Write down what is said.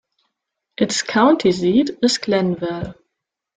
Its county seat is Glenville.